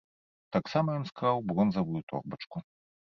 Таксама ён скраў бронзавую торбачку.